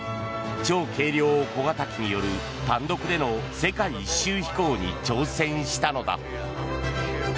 超軽量小型機による単独での世界一周飛行に挑戦したのだ。